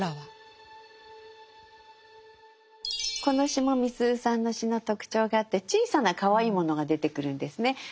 この詩もみすゞさんの詩の特徴があって小さなかわいいものが出てくるんですね。